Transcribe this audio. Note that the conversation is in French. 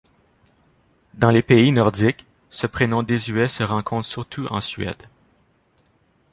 Dans les pays nordiques, ce prénom désuet se rencontre surtout en Suède.